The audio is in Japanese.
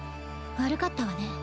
悪かったわね。